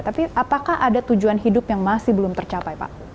tapi apakah ada tujuan hidup yang masih belum tercapai pak